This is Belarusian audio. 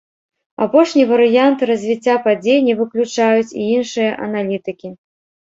Апошні варыянт развіцця падзей не выключаюць і іншыя аналітыкі.